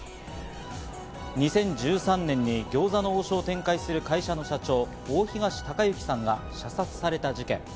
２０１３年に餃子の王将を展開する会社の社長、大東隆行さんが射殺された事件。